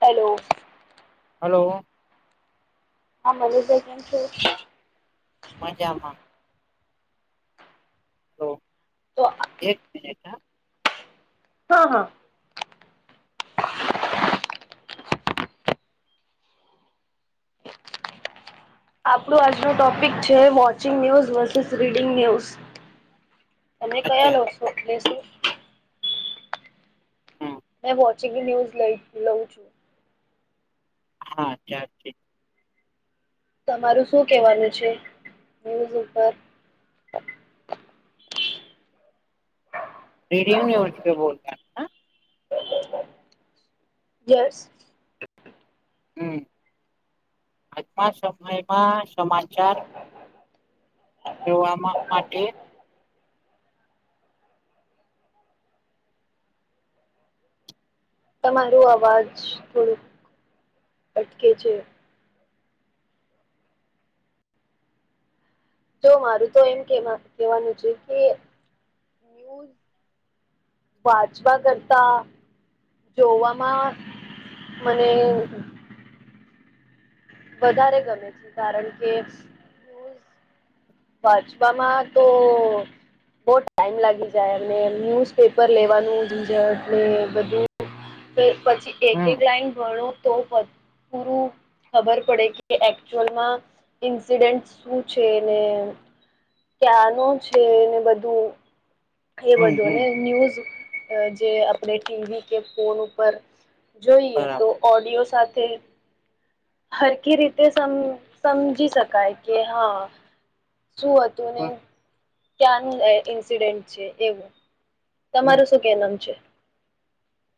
Hello hello હા મલી ભાઈ કેમ છો? મજમાં હલો તો આ એક મિનટ હ- હા હા આપણું આજનું ટોપિક છે. Watching news versus reading news. તમે કયા અચ્છા લોશો લેશો. હમ મેં વોચિંગ ન્યુઝ લઈ લઉં છું. હા ચારથી- તમારું શું કહેવાનું છે ન્યૂઝ ઉપર? રીડિયનિ વર્સિટ બોલતા- યસ હમ આજમા સમયમાં સમાચાર- એવા માં આટે- તમારૂ અવાજ થોડુંક અટકે છે. તો મારું તો એમ કે કેવાનું છે, કે ન્યુઝ [unintelligible] વાચવા કરતા જોવામાં મને હમ વધારે ગમે છે કારણ કે- વાજપામાં તો બો ટાઈમ લાગી જાય. એમને ન્યુઝપેપર લેવાનું ઝનઝટ ને બધું- [inaudible] પછી એક હમ એક લાઈન ભણો તો પ પૂરું ખબર પડે કે એકચુઅલમાં ઇન્સિડેન્ટ શું છે ને. ક્યાનું છે ને બધું? એ હમ હમ બધુંને ન્યૂઝ જે આપણે ટીવી કે ફોન ઉપર જોઈએ તો બરાબર ઓડિયો સાથે હરકી રીતે સમ સમજી શકાય કે હા. શું હતું ને ક્યા ઇન્સિડેન્ટ છે એવું? હમ તમારું શું કહેવાનું?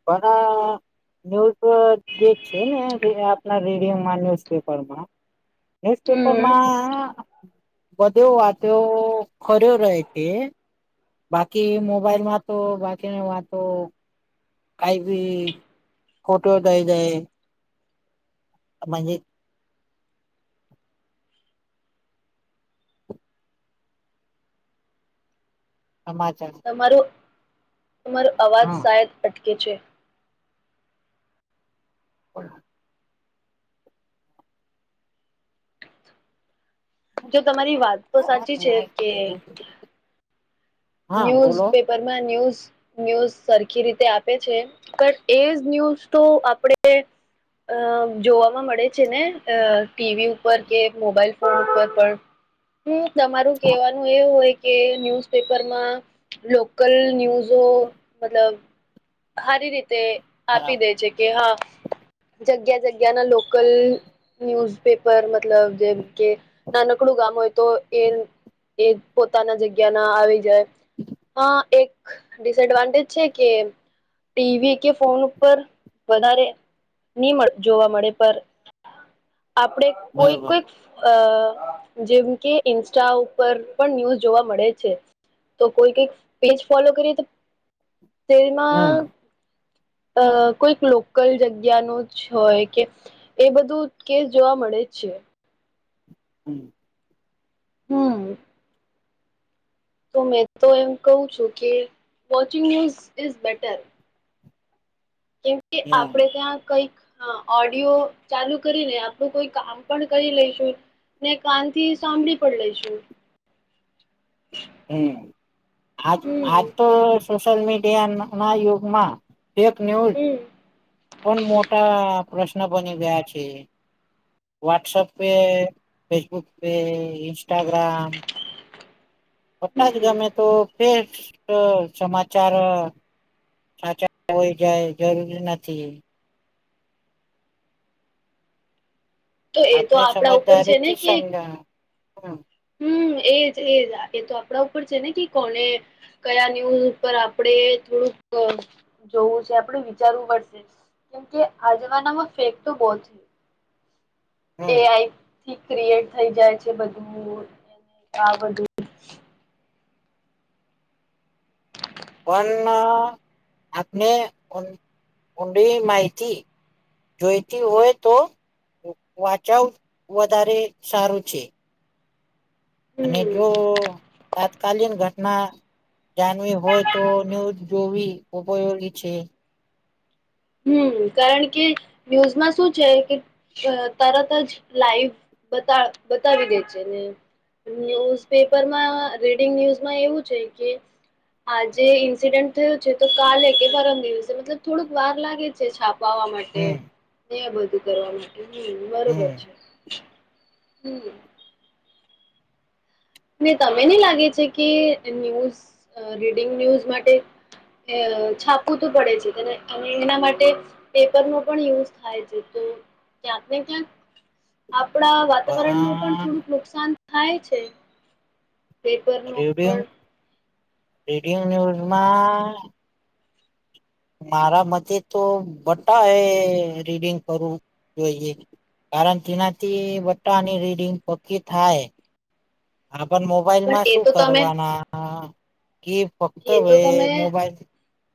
પણ ન્યુઝ જે છે ને આપના રેડિયોમાં ન્યુઝપેપરમાં. હમ ન્યુઝપેપરમાં. બધી વાતો ખર રહે છે બાકી મોબાઈલમાં તો બાકીની વાતો કઈ બી ફોટો થઈ જાય. મા સમાચાર તમારો તમારો અવાજ હા શાયદ અટકે છે. [inaudible] જો તમારી વાત તો સાચી છે કે. હા ન્યૂઝ બોલો પેપરમાં ન્યૂઝ. ન્યૂઝ સરખી રીતે આપે છે પણ એજ ન્યૂઝ તો આપણે અ જોવામાં મળે છે ને ટીવી ઉપર કે મોબાઈલ ફોન ઉપર પણ. હમ હ. [inaudible] તમારું કહેવાનું એ હોય કે ન્યુઝપેપર પરમાં લોકલ ન્યૂઝો મતલબ. સારી રીતે આપી બરાબર દે છે કે હા. જગ્યા જગ્યાના લોકલ ન્યૂઝપેપર મતલબ જે કે નાનકડું ગામ હોય તો એ એ પોતાના જગ્યા ના આવી જાય. હા એક ડિસએડવાન્ટેજ છે કે ટીવી કે ફોન ઉપર વધારે નહી જોવા મળે પર આપડે કોઈક બરોબર ક જ. અ જેમ કે ઇન્સ્ટા ઉપર પણ ન્યૂઝ જોવા મળે છે. તો કોઈ કઈક પેજ ફોલો કરીએ તો તેમાં હમ અ કોઈક લોકલ જગ્યા ન જ હોય કે. એ બધું કેસ જોવા મળે જ છે. હમ્મ. હમ્મ. તો મેં તો એમ કહું છું કે વોચિંગ ન્યૂઝ ઇઝ બેટર. કેમ કે આપડે ત્યાં કઈક. હા ઓડિયો ચાલુ કરીને આપણું કોઈ કામ પણ કરી લ લઈ લો. ને કાન થી સાંભળી પણ લઈશું. હમ્મ આજ હમ આજ તો સોશિયલ મીડિયા ના યુગમાં ફેક ન્યૂઝ હમ પણ મોટા પ્રશ્ન બની ગયા છે. વોટ્સએપ પે ફેસબુક પે ઇન્સ્ટાગ્રામ પટાચ હમ ગમે તો ટેક્સ સમાચાર સાચા હોય જાય જરૂરી નથી એ. તો એ તો આપને આપણા ઉપર સમજદારીથી સમજણ હમ્મ. હમ્મ એજ એજ એ તો આપણા ઉપર છે ને કે કોને- કયા ન્યૂઝ ઉપર આપડે થોડુંક જોવું છે આપડું વિચારવું પડશે- કેમ કે આ જમાનામાં ફેક તો બહુ છે. એ આઈ થી ક્રિએટ થઈ જાય છે બધું આ બધું પણ આપને કોંડી માહિતી જોઈતી હોય તો વાચવ વધારે સારું છે. અને હમ જો તાત્કાલીન ઘટના. જાણવી હોય તો ન્યૂઝ જોવી ઉપયોગી છે હમ કારણ કે ન્યૂઝમાં શું છે. કે- અ તરત જ લાઈવ બતા બતાવી દે છે ને- ન્યુઝ પેપરમાં રીડિંગ ન્યુઝમાં એવું છે કે- આજે ઇન્સિડન્ટ થયું છે તો કાલે કે પરમ દિવસે મતલબ થોડુંક વાર લાગે- છાપાવા માટે હમ ને બધું કરવા માટે- હમ બરોબર હમ છે હમ- ને તને ની લાગે છે કે ન્યૂઝ રીડિંગ ન્યૂઝ માટે- અ છાપવું તો પડે છે તેને અને એના માટે- પેપરનો પણ યુઝ થાય છે તો ક્યાંક ને ક્યાંક- આપડા વાતાવરણ નું પણ થોડુંક નુકસાન થાય છે. પેપરનું રેડિંયમ પણ રેડિંયમ નિયુઝમાં- મારા મતે તો બટાએ રીડિંગ કરવું જોઈએ. કારણ તેનાથી બધાની રીડિંગ પકી થાય આપન મોબ- મોબાઈલ પણ માં એ શું તો તમે કરવાના કે ફક્ત એ વએ તો મોબાઈલ-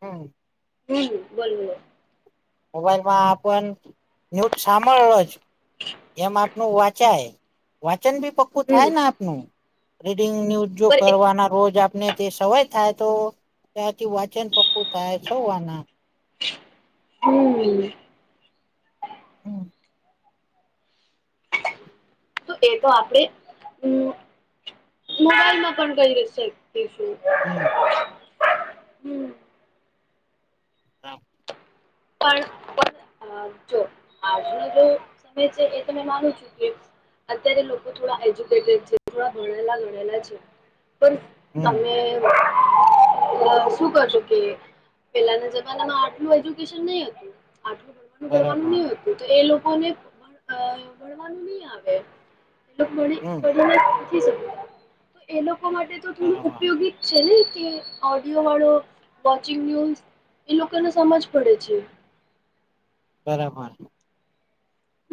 હમ્મ. [unintelligible] હમ્મ બોલવો. મોબાઈલમાં આપણ ન્યૂજ સાંભળો જ- એમ આપનું વાંચાય- વાંચન બી પક્કું થાય હમ ને આપનું રીડિંગ ન્યુઝ જો પણ કરવાના રોજ આપને- તે સવાય થાય તો ત્યાંથી વાચન પક્કું થાય સવાના- હમ્મ. હમ તો એ તો આપડે હમ્મ મોબાઈલમાં પણ કઈએ છે. એ શું હમ [unintelligible] હા. [inaudible] પણ જો આજનો જો સમય છે એ તમે માનું છું કે- અત્યારે લોકો થોડા એજ્યુકેટેડ છે થોડા ભણેલા ગણેલા છે. પણ- હમ તમને- [unintelligible] શું કરજો કે પેલાના જમાનામાં આટલું બધું જ- વેકેશન નહી હોય આટલું બધું ગણવાનું બરાબર નહિ હોતું તો એ લોકોને ભણવાનું નહી આવે- એ લોકો હમ ભણી શકે તો એ લોકો માટે- સેના માટે [unintelligible] છેલ્લે રીતે ઓડિયો વાળો વોચિંગ ન્યૂઝ એ લોકોને સમજ- પડે છે. બરાબર -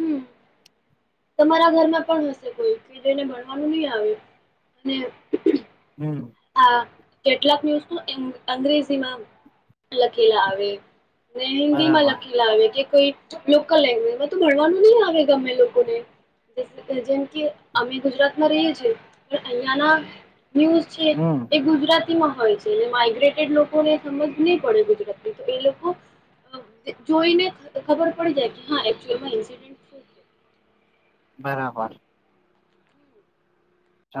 હમ તમારા ઘરમાં પણ હશે કોઈ કે જેને ભણવાનું નહી આવે અને- હમ્મ. આ કેટલાક ન્યુઝ અંગ્રેજીમાં લખેલા આવે. ને હિન્દીમાં બરાબર લખેલ. લાવે કે કોઈ લોકલ લેંગ્જમાં તો ભણવાનું નહી આવે તમને લોકોને- જેમ કે અમે ગુજરાતમાં રહીએ છીએ પણ અહિયાં ના ન્યૂઝ છે. હમ [unintelligible] એ ગુજરાતીમાં હોય છે, એલે માઇગ્રેટેડ લોકોને સમજ નહીં પડે ગુજરાતી તો એ લોકો જોઈને ખબર પડી જાય કે હા એકચુલીમાં ઇન્સિડેન્ટ બરાબર- હ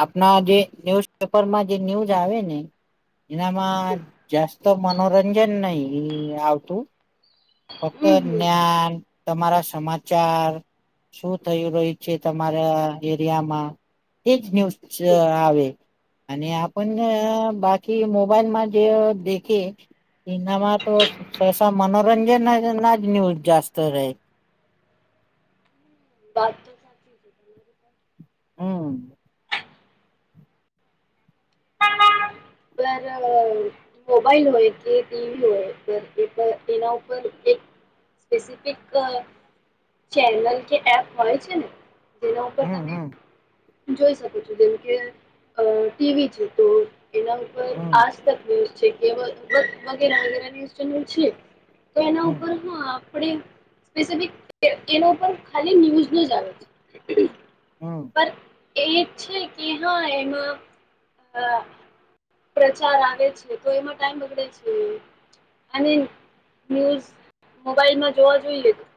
આપણા જે ન્યુઝપેપરમાં જે ન્યુઝ આવે ને- હમ એનામાં જાસ્ત મનોરંજન નહિ આવતું- ફક્ત હમ હમ જ્ઞાન તમારા સમાચાર- શું થયું રહ્યું છે, તમારા એરિયામાં તેજ ન્યૂઝ જ આવે. અને આપણ ન બાકી મોબાઈલમાં જે દેખે સિનામા તો સસ મનોરંજન ના જ ન્યૂઝ જાસ્ત રહે, વાત એ [unintelligible] હમ્મ [inaudible] [unintelligible] મોબાઈલ હોય કે ટીવી હોય એના ઉપર એક સ્પેસિફિક ચેનલ કે એપ હોય છે ને. જેના ઉપર હમ તમે હમ જોઈ શકો છું જેમ કે ટીવી છે, તો એના ઉપર હમ આજ કે વગેરે વગે ન્યૂઝ ચેનલ છે, તો એના હમ ઉપર હા, આપણે સ્પેસિફિક એના ઉપર ખાલી ન્યૂઝ ન જ આવે છે. હમ્મ એ છે કે હા એમાં પ્રચાર આવે છે, તો એમાં ટાઈમ બગડે છે. અને ન્યૂઝ મોબાઈલમાં જોવા જોઈ લેધું,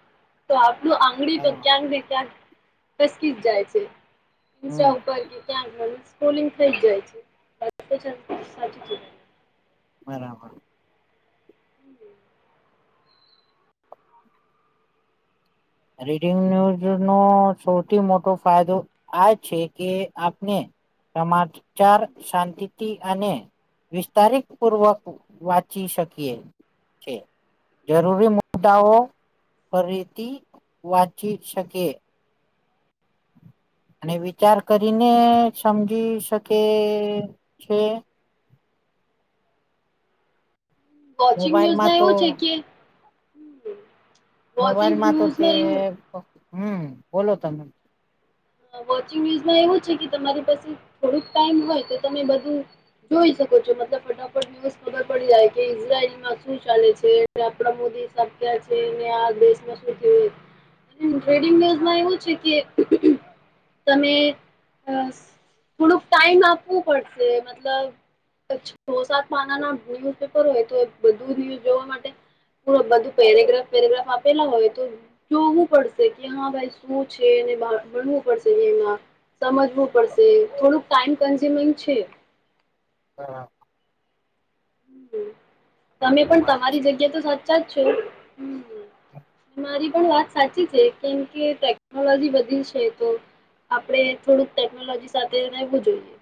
તો આપણું આંગળી તો બરાબર ક્યાંક ને ક્યાંક ફસકી જ જાય છે. ઇન્સ્ટા હમ ઉપ ઉપર કે કે સ્કૂલિ થ જાય છે. બરાબર [unintelligible] હમ્મ રીડિંગ ન્યૂઝ નો સૌથી મોટો ફાયદો, આ છે કે આપને સમાચાર શાંતિ અને વિસ્તારિત પૂર્વક વાંચી શકીએ, છે જરૂરી મુદ્દાઓ ફરીથી વાંચી શકે, અને વિચાર કરીને સમજી શકે છે. વોચિંગ મોબાઈલમાં ન્યુઝમાં તો એવું છે, કે [inaudible] મોબાઈલમાં તો તે ન્યૂઝમાં એવું હમ્મ બોલો તમે. વોચિંગ ન્યુઝમાં એવું છે, કે તમારી પાસે થોડુંક ટાઈમ હોય તો તમે બધું જોઈ શકો છો મતલબ ફટાફટ ન્યુઝ ખબર પડી જાય કે ઈઝરાયલમાં શું ચાલે છે. આપણા મોદી સાબક્યા છે, ને આ દેશમાં શું થયય ટ્રેડિંગ ન્યુઝ માં એવું છે, કે તમે અ થોડુંક ટાઈમ આપવો પડશે મતલબ છ મોસાત પાનાના ન્યુઝપેપર હોય, તો બધું ન્યુઝ જોવા માટે હ બધું પેરેગ્રાફ પેરેગ્રાફ આપેલા હોય તો. જોવું પડશે કે હા ભાઈ શું છે ને ભણવું. માં સમજવું પડશે થોડુંક ટાઈમ કન્ઝ્યુમિંગ છે, હા [unintelligible] [inaudible] આ તમે તો પણ વાત છે તમારી જગ્યા તો સાચા જ છો. મારી પણ વાત સાચી છે, કેમ કે ટેકનોલોજી બધી છે તો આપડણે થોડુંક ટેકનોલોજી સાથે રહેવું જોઈએ.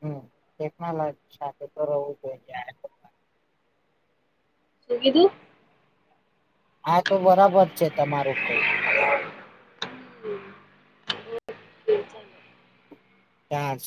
હમ્મ ટેકનોલોજી સાથે તો રહવું જોઈ જ. શું કીધું. હા, તો બરાબર છે તમારું કઉ, ચાર્જ